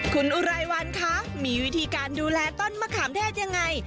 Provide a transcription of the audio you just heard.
คุณอุไรวันคะมีวิธีการดูแลต้นมะขามเทศยังไง